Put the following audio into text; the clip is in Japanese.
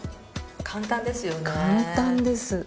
簡単ですよね。